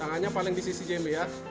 tangan nya paling di sisi jimbe ya